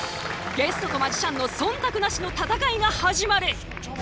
ゲストとマジシャンの忖度なしの戦いが始まる。